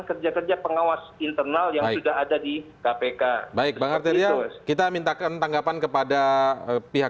kerja kerja pengawas internal yang sudah ada di kpk baik seperti itu kita mintakan tanggapan kepada pihak